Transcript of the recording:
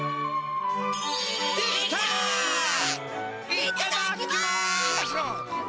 いっただっきます！